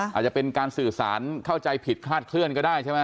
อาจจะเป็นการสื่อสารเข้าใจผิดคลาดเคลื่อนก็ได้ใช่ไหม